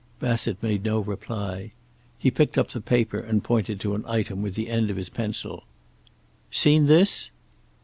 Bassett made no reply. He picked up the paper and pointed to an item with the end of his pencil. "Seen this?"